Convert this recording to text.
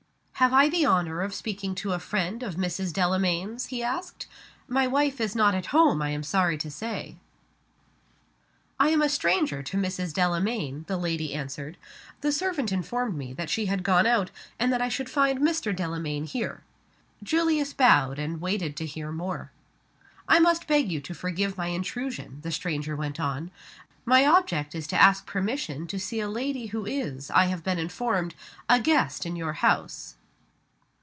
"Have I the honor of speaking to a friend of Mrs. Delamayn's?" he asked. "My wife is not at home, I am sorry to say." "I am a stranger to Mrs. Delamayn," the lady answered. "The servant informed me that she had gone out; and that I should find Mr. Delamayn here." Julius bowed and waited to hear more. "I must beg you to forgive my intrusion," the stranger went on. "My object is to ask permission to see a lady who is, I have been informed, a guest in your house."